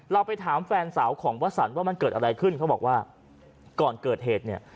เราไปถามแฟนสาวของวสันว่ามันเกิดอะไรขึ้นเขาบอกว่าก่อนเกิดเหตุเนี่ย